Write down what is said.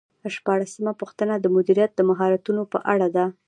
شپاړسمه پوښتنه د مدیریت د مهارتونو په اړه ده.